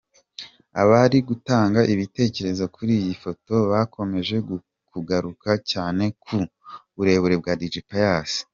Abari gutanga ibitekerezo kuri iyi foto bakomeje kugaruka cyane ku burebure bwa Dj Pius.